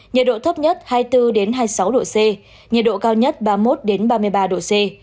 nhiệt độ thấp nhất hai mươi bốn hai mươi sáu độ c nhiệt độ cao nhất ba mươi một ba mươi ba độ c